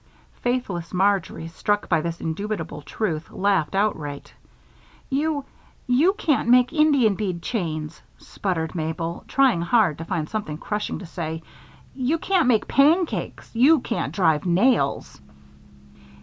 Faithless Marjory, struck by this indubitable truth, laughed outright. "You you can't make Indian bead chains," sputtered Mabel, trying hard to find something crushing to say. "You can't make pancakes. You can't drive nails."